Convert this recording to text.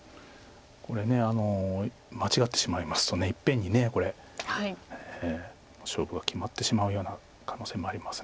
これ間違ってしまいますといっぺんに勝負が決まってしまうような可能性もありますので。